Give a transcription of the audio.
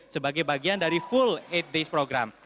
sebagai bagian dari full eight days program